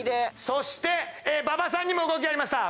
そして馬場さんにも動きありました。